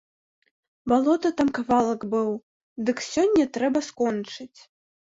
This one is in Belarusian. Балота там кавалак быў, дык сёння трэба скончыць.